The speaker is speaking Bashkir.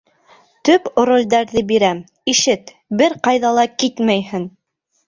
Төп ролдәрҙе бирәм, ишет, бер ҡайҙа ла китмәйһең!